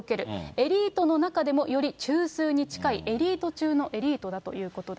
エリートの中でも、より中枢に近いエリート中のエリートだということです。